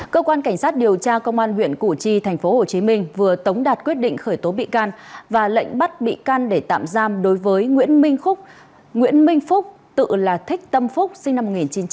cơ quan cảnh sát điều tra công an huyện củ chi thành phố hồ chí minh vừa tống đạt quyết định khởi tố bị can và lệnh bắt bị can để tạm giam đối với nguyễn minh phúc tự là thích tâm phúc sinh năm một nghìn chín trăm tám mươi ba